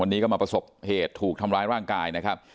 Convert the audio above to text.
วันนี้ก็มาประสบเหตุถูกทำร้ายร่างกายนะครับ